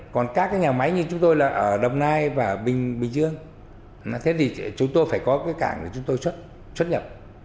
còn các cái nhà máy như chúng tôi là ở đồng nai và bình dương thế thì chúng tôi phải có cái cảng để chúng tôi xuất nhập